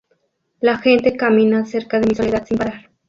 La gente camina cerca de mi soledad sin parar.